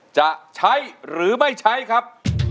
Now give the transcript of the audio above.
จะใช้หรือไม่ใช้ครับ